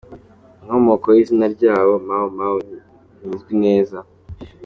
Inkomoko y’izina ryabo, Mau Mau, ntizwi neza.